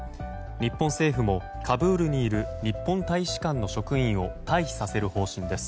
日本政府もカブールにいる日本大使館の職員を退避させる方針です。